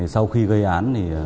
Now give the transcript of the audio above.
sau khi gây án